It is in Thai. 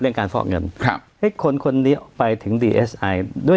การฟอกเงินครับให้คนคนนี้ไปถึงดีเอสไอด้วย